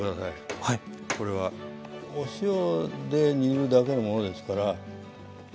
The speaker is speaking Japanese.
これはお塩で煮るだけのものですから。